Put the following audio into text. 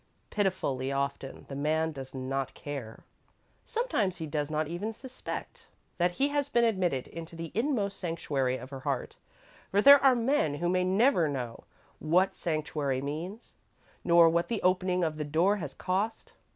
Pitifully often the man does not care. Sometimes he does not even suspect that he has been admitted into the inmost sanctuary of her heart, for there are men who may never know what sanctuary means, nor what the opening of the door has cost.